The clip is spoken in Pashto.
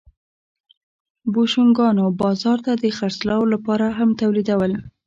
بوشونګانو بازار ته د خرڅلاو لپاره هم تولیدول